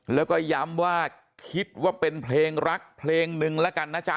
แล้วก็ย้ำว่าคิดว่าเป็นเพลงรักเพลงนึงแล้วกันนะจ๊ะ